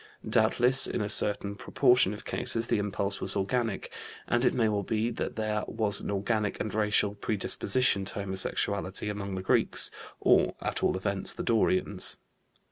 Doubtless in a certain proportion of cases the impulse was organic, and it may well be that there was an organic and racial predisposition to homosexuality among the Greeks, or, at all events, the Dorians.